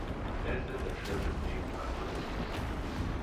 Er ist jetzt ein Schüler des Nyingma-Buddhismus.